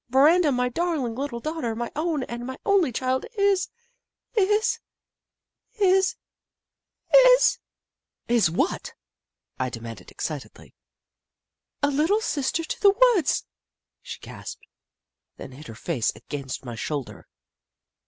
Miranda, my darling little daughter, my own and only child, is — is — is — is "" Is what ?" I demanded, excitedly. " A Little Sister to the Woods !" she gasped, then hid her face against my shoulder.